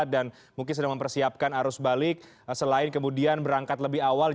dan mungkin sudah mempersiapkan arus balik selain kemudian berangkat lebih awal